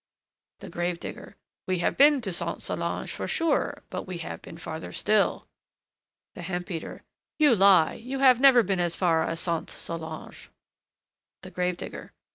THE GRAVE DIGGER. We have been to Sainte Solange, for sure; but we have been farther still. THE HEMP BEATER. You lie; you have never been as far as Sainte Solange. THE GRAVE DIGGER.